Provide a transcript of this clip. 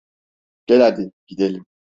Gel hadi, gidelim.